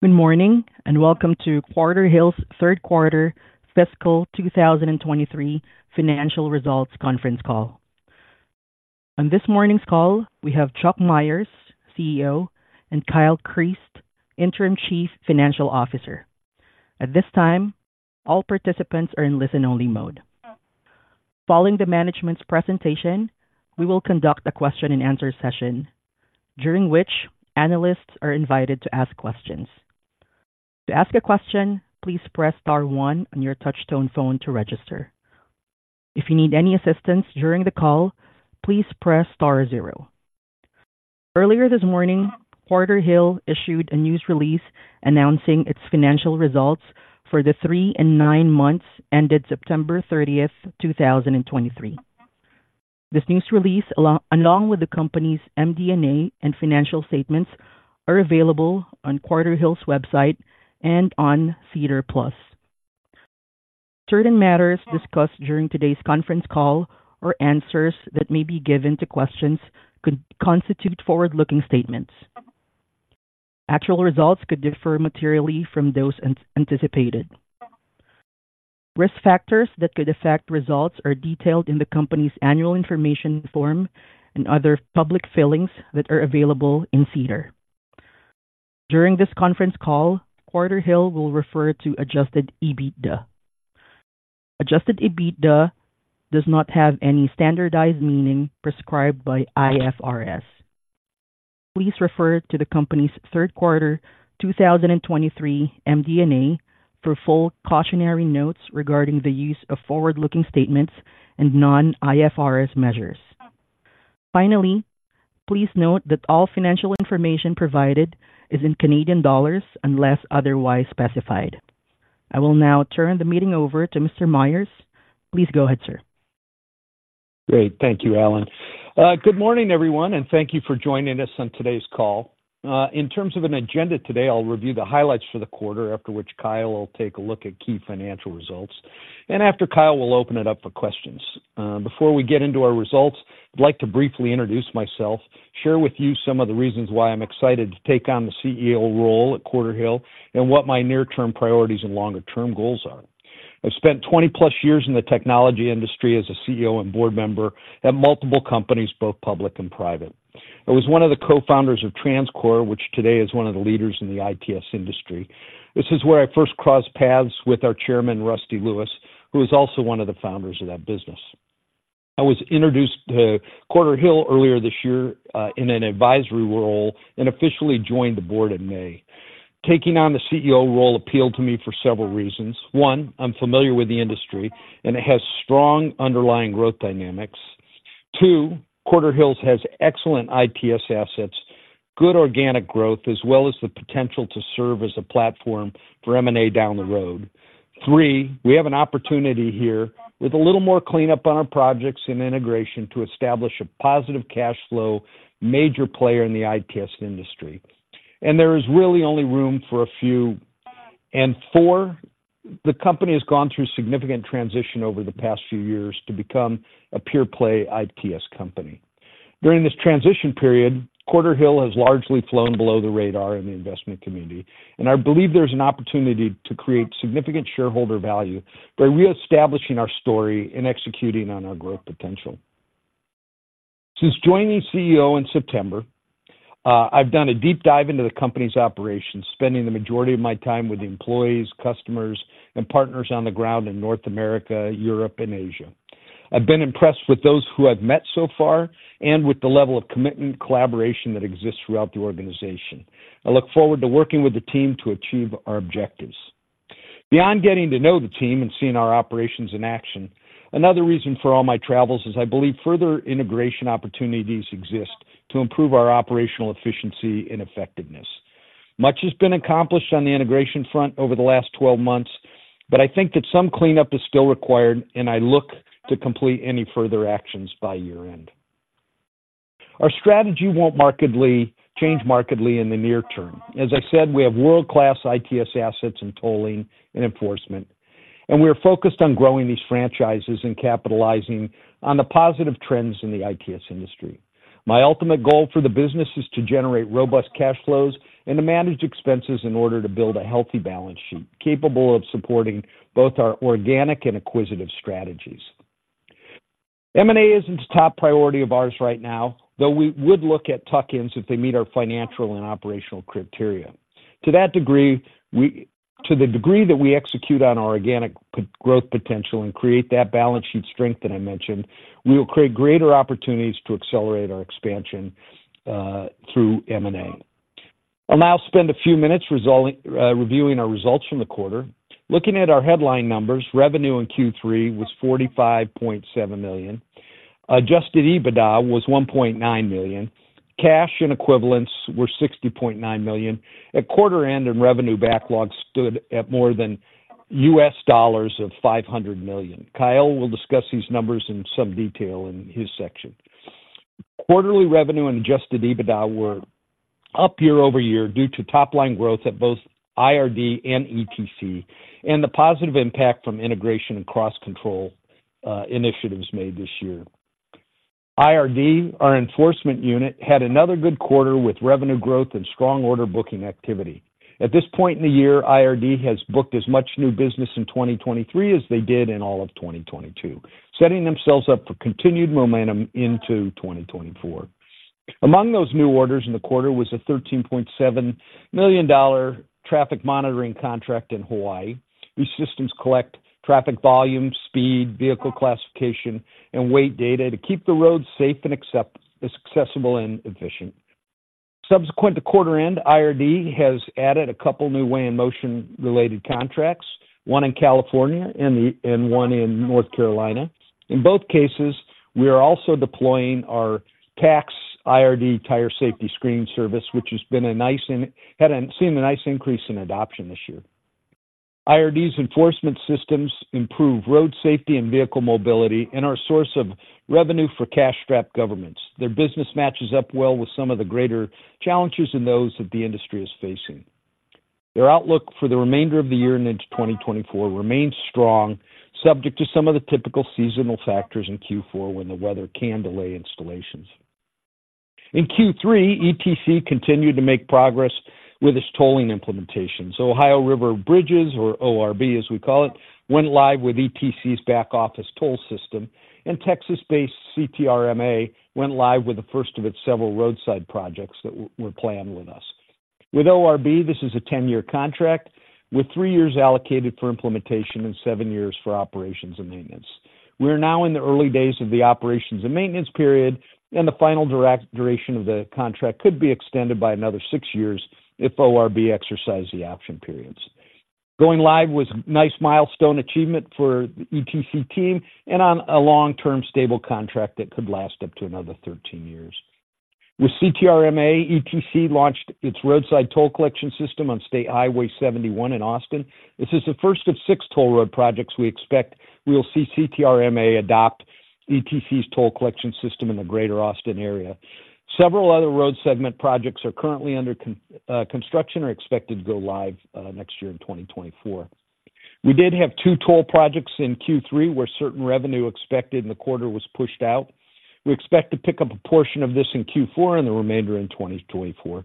Good morning, and welcome to Quarterhill's third quarter fiscal 2023 financial results conference call. On this morning's call, we have Chuck Myers, CEO, and Kyle Chriest, Interim Chief Financial Officer. At this time, all participants are in listen-only mode. Following the management's presentation, we will conduct a question-and-answer session, during which analysts are invited to ask questions. To ask a question, please press star one on your touchtone phone to register. If you need any assistance during the call, please press star zero. Earlier this morning, Quarterhill issued a news release announcing its financial results for the three and nine months ended September 30th, 2023. This news release, along with the company's MD&A and financial statements, are available on Quarterhill's website and on SEDAR+. Certain matters discussed during today's conference call or answers that may be given to questions could constitute forward-looking statements. Actual results could differ materially from those anticipated. Risk factors that could affect results are detailed in the company's Annual Information Form and other public filings that are available in SEDAR+. During this conference call, Quarterhill will refer to Adjusted EBITDA. Adjusted EBITDA does not have any standardized meaning prescribed by IFRS. Please refer to the company's third quarter 2023 MD&A for full cautionary notes regarding the use of forward-looking statements and non-IFRS measures. Finally, please note that all financial information provided is in Canadian dollars, unless otherwise specified. I will now turn the meeting over to Mr. Myers. Please go ahead, sir. Great. Thank you, Ellen. Good morning, everyone, and thank you for joining us on today's call. In terms of an agenda today, I'll review the highlights for the quarter, after which Kyle will take a look at key financial results. After Kyle, we'll open it up for questions. Before we get into our results, I'd like to briefly introduce myself, share with you some of the reasons why I'm excited to take on the CEO role at Quarterhill, and what my near-term priorities and longer-term goals are. I've spent 20+ years in the technology industry as a CEO and board member at multiple companies, both public and private. I was one of the Co-Founders of TransCore, which today is one of the leaders in the ITS industry. This is where I first crossed paths with our Chairman, Rusty Lewis, who is also one of the founders of that business. I was introduced to Quarterhill earlier this year in an advisory role and officially joined the board in May. Taking on the CEO role appealed to me for several reasons. One, I'm familiar with the industry, and it has strong underlying growth dynamics. Two, Quarterhill has excellent ITS assets, good organic growth, as well as the potential to serve as a platform for M&A down the road. Three, we have an opportunity here with a little more cleanup on our projects and integration to establish a positive cash flow, major player in the ITS industry, and there is really only room for a few. And four, the company has gone through significant transition over the past few years to become a pure-play ITS company. During this transition period, Quarterhill has largely flown below the radar in the investment community, and I believe there's an opportunity to create significant shareholder value by reestablishing our story and executing on our growth potential. Since joining as CEO in September, I've done a deep dive into the company's operations, spending the majority of my time with employees, customers, and partners on the ground in North America, Europe, and Asia. I've been impressed with those who I've met so far and with the level of commitment, collaboration that exists throughout the organization. I look forward to working with the team to achieve our objectives. Beyond getting to know the team and seeing our operations in action, another reason for all my travels is I believe further integration opportunities exist to improve our operational efficiency and effectiveness. Much has been accomplished on the integration front over the last twelve months, but I think that some cleanup is still required, and I look to complete any further actions by year-end. Our strategy won't change markedly in the near-term. As I said, we have world-class ITS assets in tolling and enforcement, and we are focused on growing these franchises and capitalizing on the positive trends in the ITS industry. My ultimate goal for the business is to generate robust cash flows and to manage expenses in order to build a healthy balance sheet, capable of supporting both our organic and acquisitive strategies. M&A isn't a top priority of ours right now, though we would look at tuck-ins if they meet our financial and operational criteria. To that degree, we. To the degree that we execute on our organic growth potential and create that balance sheet strength that I mentioned, we will create greater opportunities to accelerate our expansion through M&A. I'll now spend a few minutes reviewing our results from the quarter. Looking at our headline numbers, revenue in Q3 was 45.7 million. Adjusted EBITDA was 1.9 million. Cash and equivalents were 60.9 million. At quarter end, our revenue backlog stood at more than $500 million. Kyle will discuss these numbers in some detail in his section. Quarterly revenue and adjusted EBITDA were up year-over-year due to top-line growth at both IRD and ETC, and the positive impact from integration and cross-control initiatives made this year. IRD, our enforcement unit, had another good quarter with revenue growth and strong order booking activity. At this point in the year, IRD has booked as much new business in 2023 as they did in all of 2022, setting themselves up for continued momentum into 2024. Among those new orders in the quarter was a $13.7 million traffic monitoring contract in Hawaii. These systems collect traffic volume, speed, vehicle classification, and weight data to keep the roads safe and accessible and efficient. Subsequent to quarter end, IRD has added a couple new weigh-in-motion-related contracts, one in California and the, and one in North Carolina. In both cases, we are also deploying our TACS IRD Tire Safety Screening Service, which has been a nice had seen a nice increase in adoption this year. IRD's enforcement systems improve road safety and vehicle mobility and are a source of revenue for cash-strapped governments. Their business matches up well with some of the greater challenges and those that the industry is facing. Their outlook for the remainder of the year into 2024 remains strong, subject to some of the typical seasonal factors in Q4 when the weather can delay installations. In Q3, ETC continued to make progress with its tolling implementations. Ohio River Bridges, or ORB, as we call it, went live with ETC's back-office toll system, and Texas-based CTRMA went live with the first of its several roadside projects that were planned with us. With ORB, this is a 10-year contract, with three years allocated for implementation and seven years for operations and maintenance. We're now in the early days of the operations and maintenance period, and the final duration of the contract could be extended by another six years if ORB exercises the option periods. Going live was a nice milestone achievement for the ETC team and on a long-term, stable contract that could last up to another 13 years. With CTRMA, ETC launched its roadside toll collection system on State Highway 71 in Austin. This is the first of six toll road projects we expect we'll see CTRMA adopt ETC's toll collection system in the greater Austin area. Several other road segment projects are currently under construction, are expected to go live next year in 2024. We did have two toll projects in Q3, where certain revenue expected in the quarter was pushed out. We expect to pick up a portion of this in Q4 and the remainder in 2024.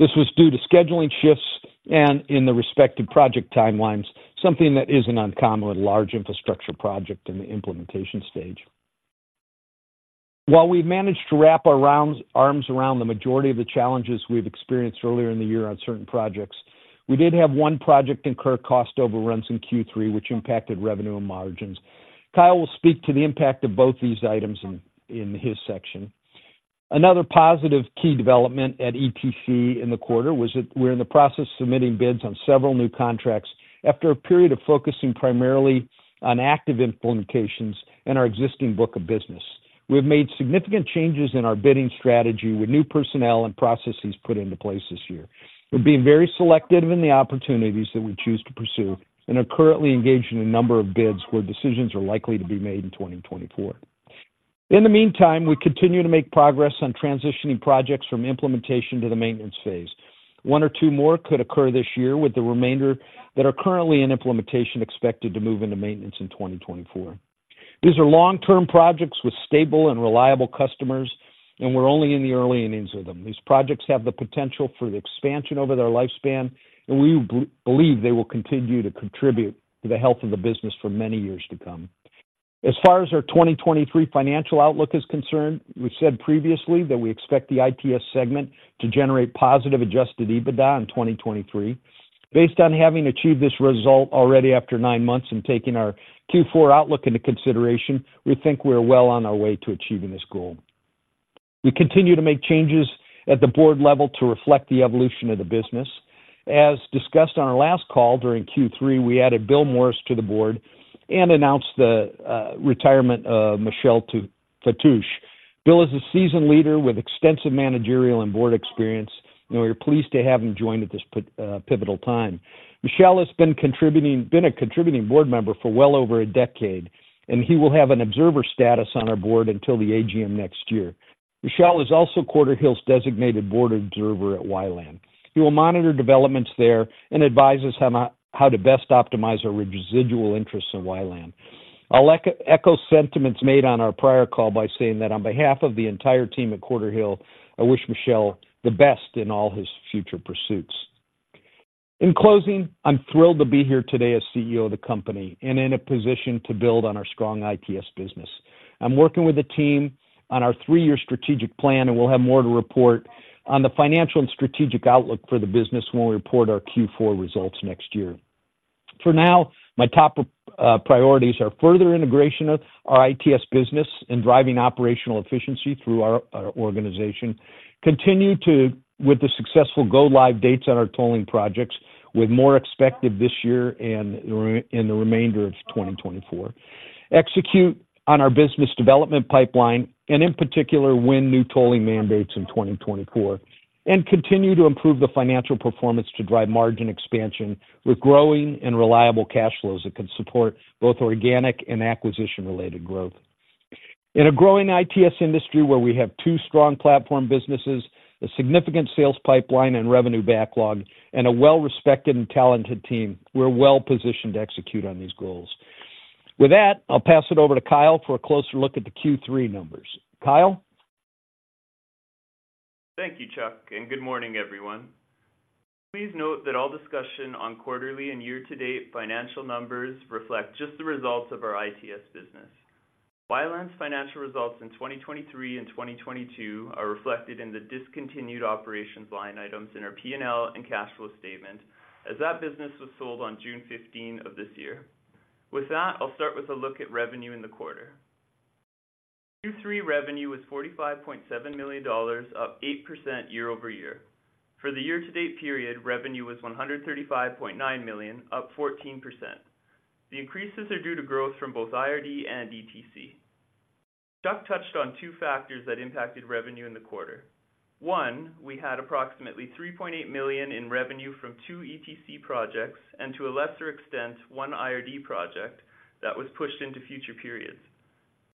This was due to scheduling shifts and in the respective project timelines, something that isn't uncommon with large infrastructure project in the implementation stage. While we've managed to wrap our arms around the majority of the challenges we've experienced earlier in the year on certain projects, we did have one project incur cost overruns in Q3, which impacted revenue and margins. Kyle will speak to the impact of both these items in his section. Another positive key development at ETC in the quarter was that we're in the process of submitting bids on several new contracts. After a period of focusing primarily on active implementations and our existing book of business, we've made significant changes in our bidding strategy with new personnel and processes put into place this year. We're being very selective in the opportunities that we choose to pursue and are currently engaged in a number of bids, where decisions are likely to be made in 2024. In the meantime, we continue to make progress on transitioning projects from implementation to the maintenance phase. One or two more could occur this year, with the remainder that are currently in implementation expected to move into maintenance in 2024. These are long-term projects with stable and reliable customers, and we're only in the early innings of them. These projects have the potential for expansion over their lifespan, and we believe they will continue to contribute to the health of the business for many years to come. As far as our 2023 financial outlook is concerned, we said previously that we expect the ITS segment to generate positive Adjusted EBITDA in 2023. Based on having achieved this result already after nine months and taking our Q4 outlook into consideration, we think we are well on our way to achieving this goal. We continue to make changes at the board level to reflect the evolution of the business. As discussed on our last call, during Q3, we added Bill Morris to the board and announced the retirement of Michel Fattouche. Bill is a seasoned leader with extensive managerial and board experience, and we are pleased to have him join at this pivotal time. Michel has been a contributing board member for well over a decade, and he will have an observer status on our board until the AGM next year. Michel is also Quarterhill's designated board observer at Wi-LAN. He will monitor developments there and advise us on how to best optimize our residual interests in Wi-LAN. I'll echo sentiments made on our prior call by saying that on behalf of the entire team at Quarterhill, I wish Michel the best in all his future pursuits. In closing, I'm thrilled to be here today as CEO of the company and in a position to build on our strong ITS business. I'm working with the team on our three-year strategic plan, and we'll have more to report on the financial and strategic outlook for the business when we report our Q4 results next year. For now, my top priorities are further integration of our ITS business and driving operational efficiency through our organization. Continue to. With the successful go live dates on our tolling projects, with more expected this year and in the remainder of 2024, execute on our business development pipeline and, in particular, win new tolling mandates in 2024, and continue to improve the financial performance to drive margin expansion with growing and reliable cash flows that can support both organic and acquisition-related growth. In a growing ITS industry, where we have two strong platform businesses, a significant sales pipeline and revenue backlog, and a well-respected and talented team, we're well positioned to execute on these goals. With that, I'll pass it over to Kyle for a closer look at the Q3 numbers. Kyle? Thank you, Chuck, and good morning, everyone. Please note that all discussion on quarterly and year-to-date financial numbers reflect just the results of our ITS business. Wi-LAN's financial results in 2023 and 2022 are reflected in the discontinued operations line items in our P&L and cash flow statement, as that business was sold on June 15th of this year. With that, I'll start with a look at revenue in the quarter. Q3 revenue was CAD 45.7 million, up 8% year-over-year. For the year-to-date period, revenue was CAD 135.9 million, up 14%. The increases are due to growth from both IRD and ETC. Chuck touched on two factors that impacted revenue in the quarter. One, we had approximately $3.8 million in revenue from two ETC projects, and to a lesser extent, one IRD project that was pushed into future periods.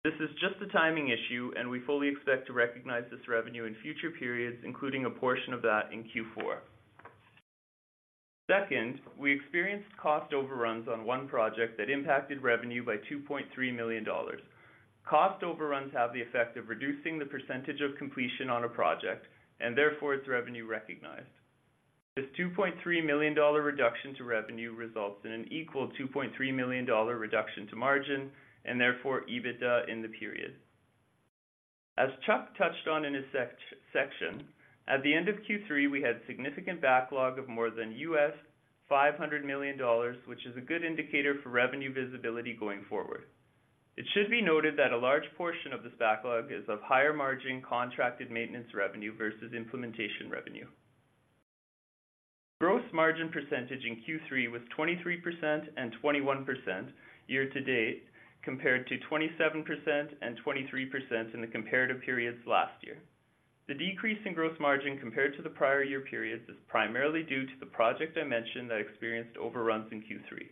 This is just a timing issue, and we fully expect to recognize this revenue in future periods, including a portion of that in Q4. Second, we experienced cost overruns on one project that impacted revenue by $2.3 million. Cost overruns have the effect of reducing the percentage of completion on a project and therefore its revenue recognized. This $2.3 million reduction to revenue results in an equal $2.3 million reduction to margin and therefore EBITDA in the period. As Chuck touched on in his section, at the end of Q3, we had significant backlog of more than $500 million, which is a good indicator for revenue visibility going forward. It should be noted that a large portion of this backlog is of higher margin, contracted maintenance revenue versus implementation revenue. Gross margin percentage in Q3 was 23% and 21% year to date, compared to 27% and 23% in the comparative periods last year. The decrease in gross margin compared to the prior year periods, is primarily due to the project I mentioned that experienced overruns in Q3.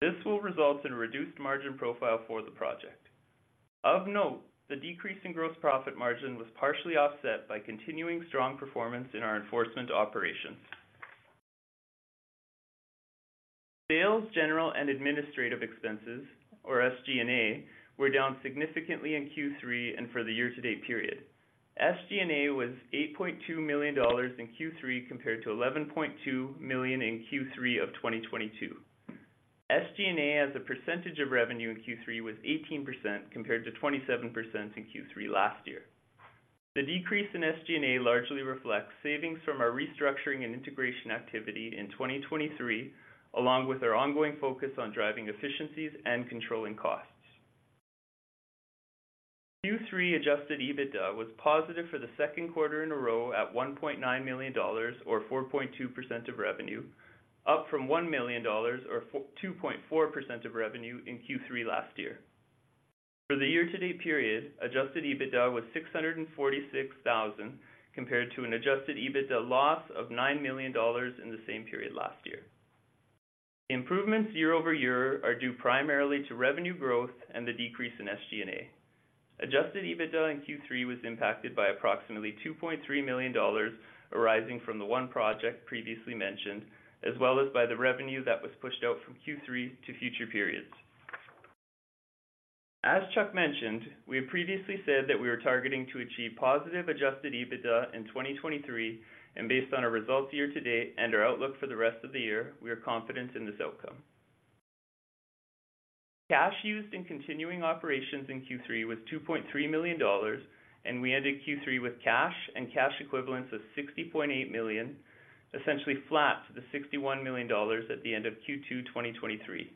This will result in a reduced margin profile for the project. Of note, the decrease in gross profit margin was partially offset by continuing strong performance in our enforcement operations. Sales, general, and administrative expenses, or SG&A, were down significantly in Q3 and for the year-to-date period. SG&A was 8.2 million dollars in Q3, compared to 11.2 million in Q3 of 2022. SG&A, as a percentage of revenue in Q3, was 18%, compared to 27% in Q3 last year. The decrease in SG&A largely reflects savings from our restructuring and integration activity in 2023, along with our ongoing focus on driving efficiencies and controlling costs. Q3 adjusted EBITDA was positive for the second quarter in a row at 1.9 million dollars or 4.2% of revenue, up from 1 million dollars or 2.4% of revenue in Q3 last year. For the year-to-date period, adjusted EBITDA was 646,000, compared to an adjusted EBITDA loss of 9 million dollars in the same period last year. Improvements year-over-year are due primarily to revenue growth and the decrease in SG&A. Adjusted EBITDA in Q3 was impacted by approximately 2.3 million dollars, arising from the one project previously mentioned, as well as by the revenue that was pushed out from Q3 to future periods. As Chuck mentioned, we have previously said that we were targeting to achieve positive adjusted EBITDA in 2023, and based on our results year to date and our outlook for the rest of the year, we are confident in this outcome. Cash used in continuing operations in Q3 was 2.3 million dollars, and we ended Q3 with cash and cash equivalents of 60.8 million, essentially flat to the 61 million dollars at the end of Q2 2023.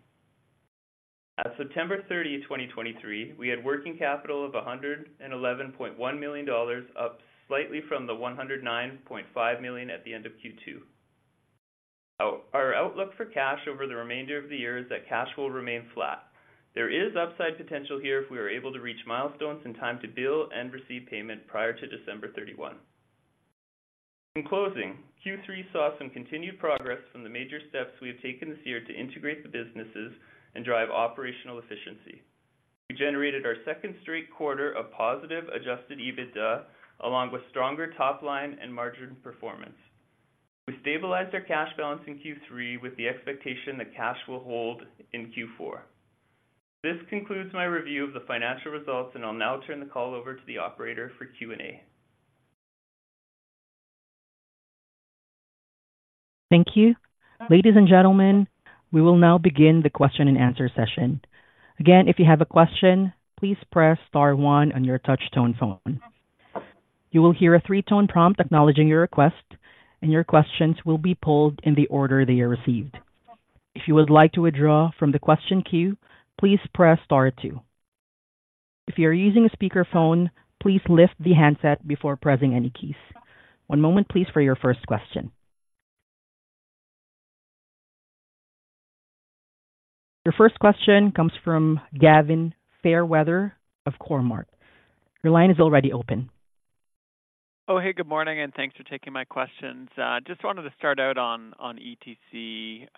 At September 30, 2023, we had working capital of $111.1 million, up slightly from the $109.5 million at the end of Q2. Our outlook for cash over the remainder of the year is that cash will remain flat. There is upside potential here if we are able to reach milestones in time to bill and receive payment prior to December 31. In closing, Q3 saw some continued progress from the major steps we have taken this year to integrate the businesses and drive operational efficiency. We generated our second straight quarter of positive Adjusted EBITDA, along with stronger top line and margin performance. We stabilized our cash balance in Q3 with the expectation that cash will hold in Q4. This concludes my review of the financial results, and I'll now turn the call over to the operator for Q&A. Thank you. Ladies and gentlemen, we will now begin the question-and-answer session. Again, if you have a question, please press star one on your touch tone phone. You will hear a three-tone prompt acknowledging your request, and your questions will be pulled in the order they are received. If you would like to withdraw from the question queue, please press star two. If you are using a speakerphone, please lift the handset before pressing any keys. One moment, please, for your first question. Your first question comes from Gavin Fairweather of Cormark. Your line is already open. Oh, hey, good morning, and thanks for taking my questions. Just wanted to start out on, on ETC,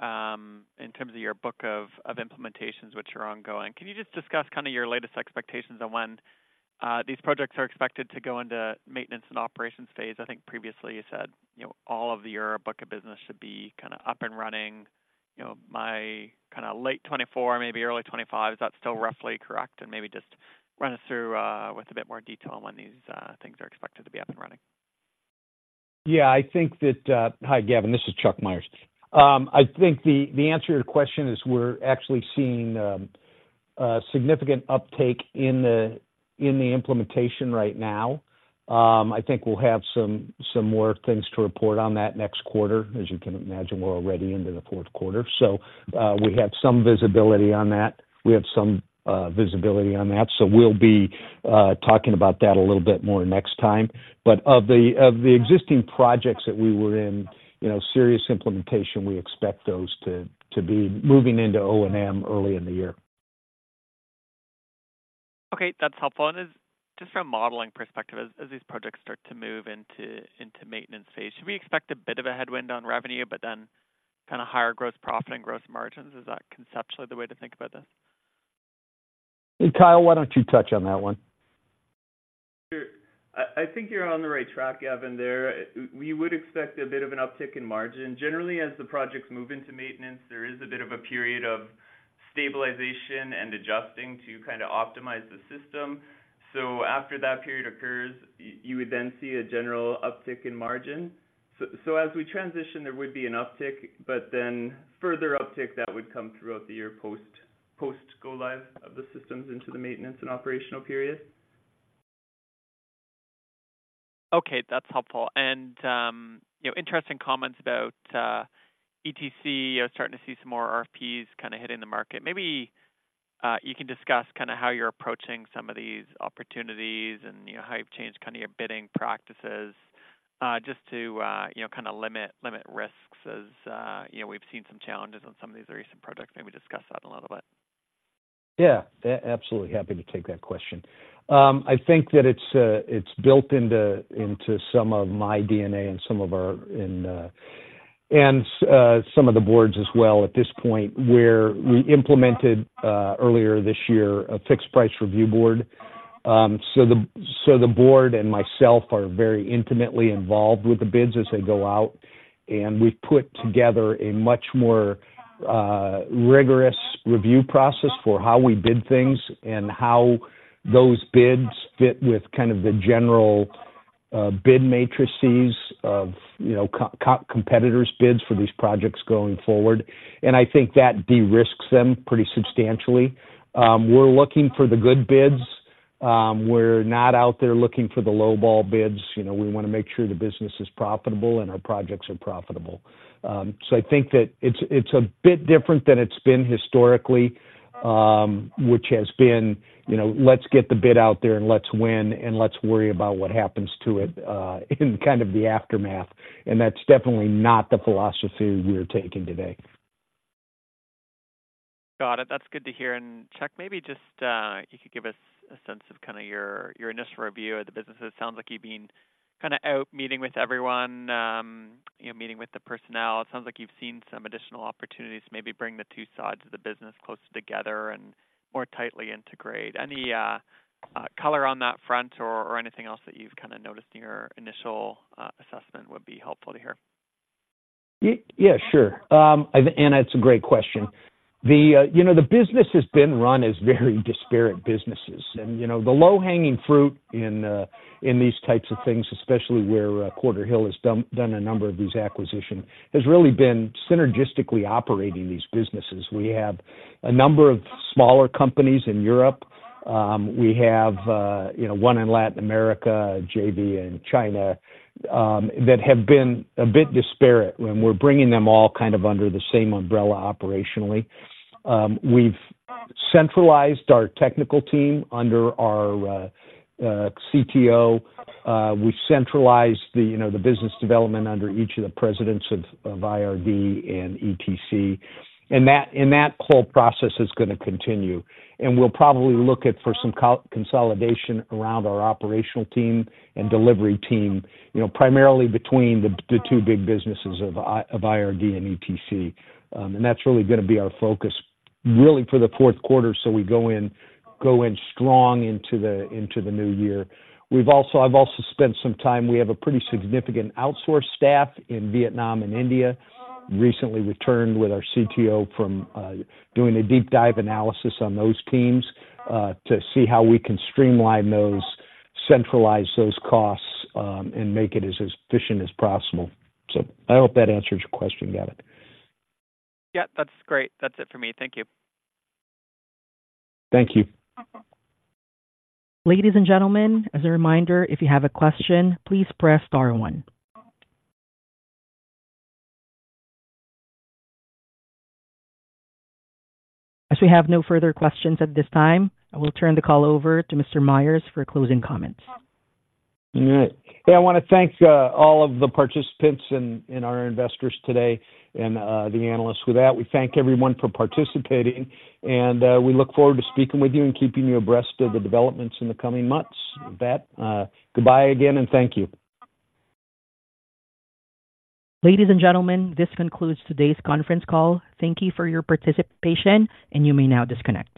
in terms of your book of, of implementations, which are ongoing. Can you just discuss kind of your latest expectations on when, these projects are expected to go into maintenance and operations phase? I think previously you said, you know, all of your book of business should be kind of up and running. you know, by kind of late 2024, maybe early 2025. Is that still roughly correct? And maybe just run us through, with a bit more detail on when these, things are expected to be up and running. Yeah, I think that. Hi, Gavin, this is Chuck Myers. I think the answer to your question is we're actually seeing a significant uptake in the implementation right now. I think we'll have some more things to report on that next quarter. As you can imagine, we're already into the fourth quarter, so we have some visibility on that. We have some visibility on that, so we'll be talking about that a little bit more next time. But of the existing projects that we were in, you know, serious implementation, we expect those to be moving into O&M early in the year. Okay, that's helpful. And just from a modeling perspective, as these projects start to move into maintenance phase, should we expect a bit of a headwind on revenue, but then kind of higher gross profit and gross margins? Is that conceptually the way to think about this? Hey, Kyle, why don't you touch on that one? Sure. I think you're on the right track, Gavin, there. We would expect a bit of an uptick in margin. Generally, as the projects move into maintenance, there is a bit of a period of stabilization and adjusting to kind of optimize the system. So after that period occurs, you would then see a general uptick in margin. So as we transition, there would be an uptick, but then further uptick that would come throughout the year, post-go live of the systems into the maintenance and operational period. Okay, that's helpful. You know, interesting comments about ETC. You're starting to see some more RFPs kind of hitting the market. Maybe you can discuss kind of how you're approaching some of these opportunities and, you know, how you've changed kind of your bidding practices, just to, you know, kind of limit, limit risks as, you know, we've seen some challenges on some of these recent projects. Maybe discuss that a little bit. Yeah, absolutely happy to take that question. I think that it's built into some of my DNA and some of the boards as well at this point, where we implemented earlier this year a Fixed Price Review Board. So the board and myself are very intimately involved with the bids as they go out, and we've put together a much more rigorous review process for how we bid things and how those bids fit with the general bid matrices of, you know, competitors' bids for these projects going forward. And I think that de-risks them pretty substantially. We're looking for the good bids. We're not out there looking for the lowball bids. You know, we want to make sure the business is profitable and our projects are profitable. So I think that it's a bit different than it's been historically, which has been, you know, let's get the bid out there and let's win, and let's worry about what happens to it in kind of the aftermath. That's definitely not the philosophy we're taking today. Got it. That's good to hear. And Chuck, maybe just you could give us a sense of kind of your initial review of the business. It sounds like you've been kind of out meeting with everyone, you know, meeting with the personnel. It sounds like you've seen some additional opportunities to maybe bring the two sides of the business closer together and more tightly integrate. Any color on that front or anything else that you've kind of noticed in your initial assessment would be helpful to hear. Yeah, sure. I think. That's a great question. The, you know, the business has been run as very disparate businesses. You know, the low-hanging fruit in these types of things, especially where Quarterhill has done a number of these acquisitions, has really been synergistically operating these businesses. We have a number of smaller companies in Europe. We have one in Latin America, a JV in China, that have been a bit disparate, and we're bringing them all kind of under the same umbrella operationally. We've centralized our technical team under our CTO. We've centralized the business development under each of the presidents of IRD and ETC. And that, and that whole process is going to continue, and we'll probably look at for some co-consolidation around our operational team and delivery team, you know, primarily between the, the two big businesses of of IRD and ETC. And that's really going to be our focus, really for the fourth quarter, so we go in, go in strong into the, into the new year. We've also—I've also spent some time. We have a pretty significant outsourced staff in Vietnam and India. Recently returned with our CTO from doing a deep dive analysis on those teams to see how we can streamline those, centralize those costs, and make it as efficient as possible. So I hope that answers your question, Gavin. Yeah, that's great. That's it for me. Thank you. Thank you. Ladies and gentlemen, as a reminder, if you have a question, please press star one. As we have no further questions at this time, I will turn the call over to Mr. Myers for closing comments. All right. Hey, I want to thank all of the participants and our investors today and the analysts. With that, we thank everyone for participating, and we look forward to speaking with you and keeping you abreast of the developments in the coming months. With that, goodbye again, and thank you. Ladies and gentlemen, this concludes today's conference call. Thank you for your participation, and you may now disconnect.